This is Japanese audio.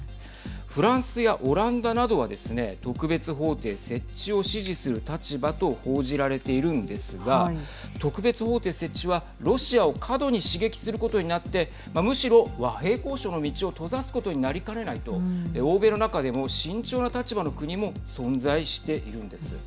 フランスやオランダなどはですね特別法廷設置を支持する立場と報じられているんですが特別法廷設置はロシアを過度に刺激することになってむしろ、和平交渉の道を閉ざすことになりかねないと欧米の中でも慎重な立場の国も存在しているんです。